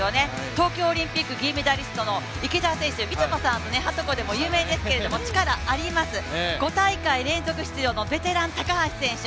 東京オリンピック銀メダリストの池田選手みちょぱさんのはとこでも有名ですけど力あります、５大会連続出場のベテラン・高橋選手